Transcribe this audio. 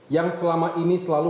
yang selama ini selalu